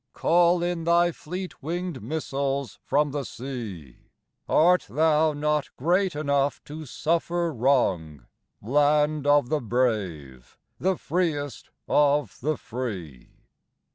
Call in thy fleet winged missiles from the sea; Art thou not great enough to suffer wrong, Land of the brave, the freest of the free?